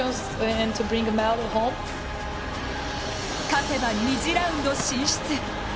勝てば２次ラウンド進出。